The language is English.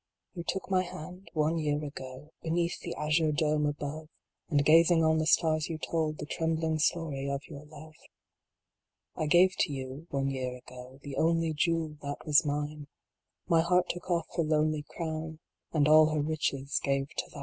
You took my hand one year ago, Beneath the azure dome above, And gazing on the stars you told The trembling story of your love. I gave to you one year ago, The only jewel that was mine ; My heart took off her lonely crown, And all her riches gave to thine.